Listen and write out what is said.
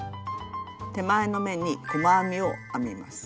手前の目に細編みを編みます。